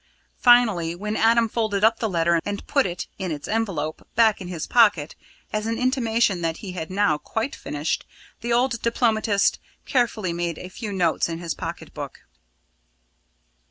Finally, when Adam folded up the letter and put it, in its envelope, back in his pocket, as an intimation that he had now quite finished, the old diplomatist carefully made a few notes in his pocket book.